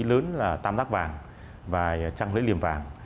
má túy lớn là tam đắc vàng và trăng lễ liềm vàng